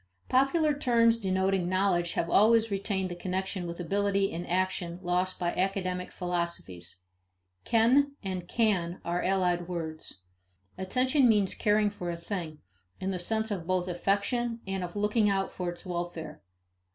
Popular terms denoting knowledge have always retained the connection with ability in action lost by academic philosophies. Ken and can are allied words. Attention means caring for a thing, in the sense of both affection and of looking out for its welfare.